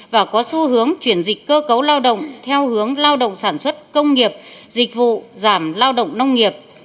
và có xu hướng chuyển dịch cơ cấu lao động theo hướng lao động sản xuất công nghiệp dịch vụ giảm lao động nông nghiệp